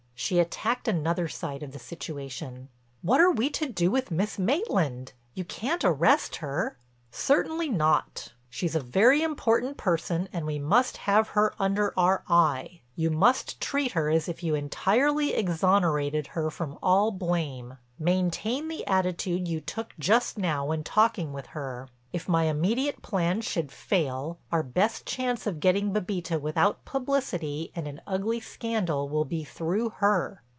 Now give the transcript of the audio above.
She attacked another side of the situation. "What are we to do with Miss Maitland? You can't arrest her." "Certainly not. She's a very important person and we must have her under our eye. You must treat her as if you entirely exonerated her from all blame—maintain the attitude you took just now when talking with her. If my immediate plan should fail our best chance of getting Bébita without publicity and an ugly scandal will be through her.